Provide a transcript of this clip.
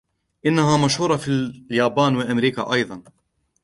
إنها مشهورة في اليابان وأمريكا أيضًا.